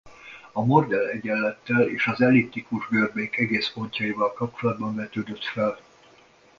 A Mordell-egyenlettel és az elliptikus görbék egész pontjaival kapcsolatban vetődött fel.